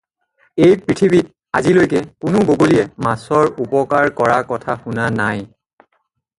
এই পৃথিৱীত আজিলৈকে কোনাে বগলীয়ে মাছৰ উপকাৰ কৰা কথা শুনা নাই।